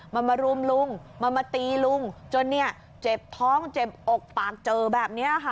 มันมารุมลุงมันมาตีลุงจนเนี่ยเจ็บท้องเจ็บอกปากเจอแบบนี้ค่ะ